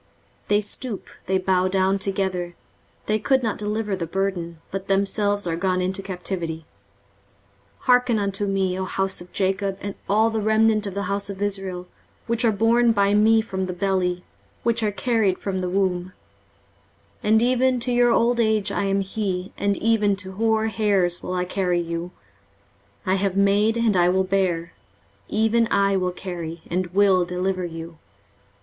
23:046:002 They stoop, they bow down together; they could not deliver the burden, but themselves are gone into captivity. 23:046:003 Hearken unto me, O house of Jacob, and all the remnant of the house of Israel, which are borne by me from the belly, which are carried from the womb: 23:046:004 And even to your old age I am he; and even to hoar hairs will I carry you: I have made, and I will bear; even I will carry, and will deliver you.